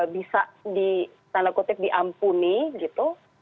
bisa di tanda kutip diampuni gitu